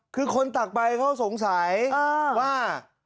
คือคนตักใบเขาสงสัยว่า